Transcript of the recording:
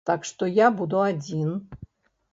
Так што я буду адзін.